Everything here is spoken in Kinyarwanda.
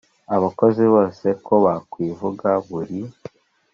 abakozi bose ko bakwivuga buri